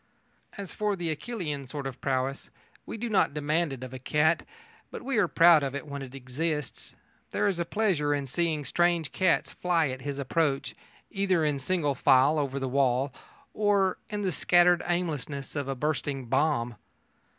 As for the Achillean sort of prowess, we do not demand it of a cat, but we are proud of it when it exists. There is a pleasure in seeing strange cats fly at his approach, either in single file over the wall or in the scattered aimlessness of a bursting bomb.